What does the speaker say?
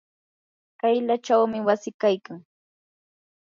kaylachawmi wasi kaykan.